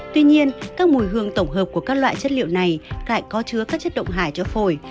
tuy nhiên các mùi hương tổng hợp của các loại chất liệu này lại có chứa các chất động hải cho phổi